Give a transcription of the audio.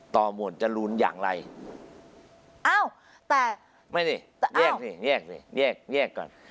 ต่อหมวดจรูนอย่างไรไม่สิแยกสิแยกก่อน